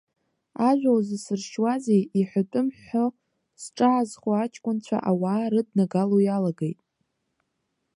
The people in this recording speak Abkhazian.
Ажәа узасыршьуазеи, иҳәатәым ҳәо зҿаазхаз аҷкәынцәа ауаа рыднагало иалагеит.